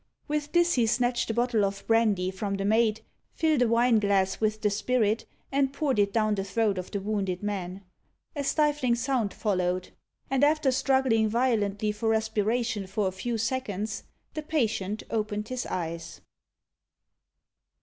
With this, he snatched the bottle of brandy from the maid, filled a wine glass with the spirit, and poured it down the throat of the wounded man. A stifling sound followed, and after struggling violently for respiration for a few seconds, the patient opened his eyes.